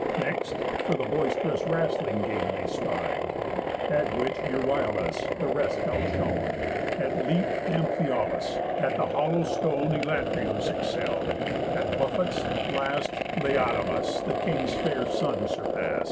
Next, for the boist'rous wrastling game they striv'd; At which Euryalus the rest outshone. At leap Amphialus, At the hollow stone Elatreüs excell'd. At buffets, last, Laodamas, the king's fair son, surpast.